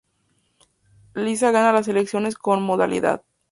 Lisa gana las elecciones con comodidad.